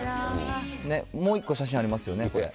もう一個写真ありますよね。